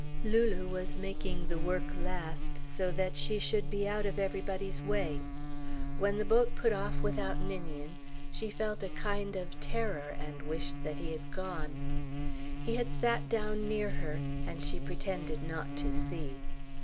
Lulu was making the work last, so that she should be out of everybody's way. When the boat put off without Ninian, she felt a kind of terror and wished that he had gone. He had sat down near her, and she pretended not to see.